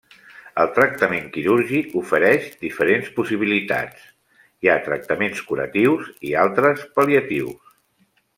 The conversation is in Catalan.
El tractament quirúrgic ofereix diferents possibilitats: hi ha tractaments curatius i altres pal·liatius.